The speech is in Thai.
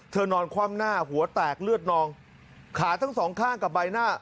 นอนคว่ำหน้าหัวแตกเลือดนองขาทั้งสองข้างกับใบหน้า